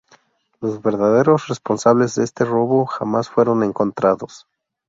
Los verdaderos responsables de este robo jamás fueron encontrados.